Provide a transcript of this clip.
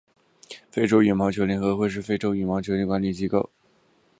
非洲羽毛球联合会是非洲羽毛球运动管理机构。